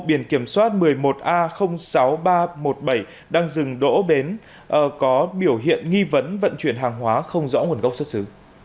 biển kiểm soát một mươi một a sáu nghìn ba trăm một mươi bảy đang dừng đỗ bến có biểu hiện nghi vấn vận chuyển hàng hóa không rõ nguồn gốc xuất xứ